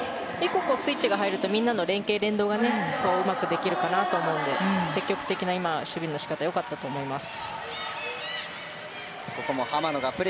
１個スイッチが入るとみんなの連動が生まれるかなと思うので積極的な守備の仕方良かったと思います。